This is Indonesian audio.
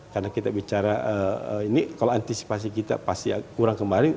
karena kita bicara ini kalau antisipasi kita pasti kurang kemarin